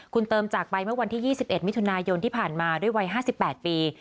คุณเติมจากไปเมื่อวันที่๒๑มิถุนายนที่ผ่านมาด้วยวัย๕๘ปี